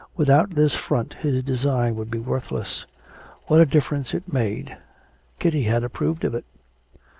Without this front his design would be worthless. What a difference it made! Kitty had approved of it.